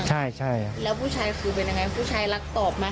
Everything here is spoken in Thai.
ใช่ใช่แล้วผู้ชายคือเป็นยังไงผู้ชายรักตอบไหม